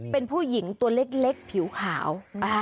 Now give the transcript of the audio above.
เป็นผู้หญิงตัวเล็กผิวขาว